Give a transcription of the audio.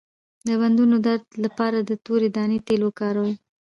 د بندونو درد لپاره د تورې دانې تېل وکاروئ